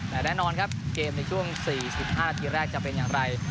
แต่แน่นอนครับเกมในช่วง๔๕นาทีแรกจะเป็นอย่างไร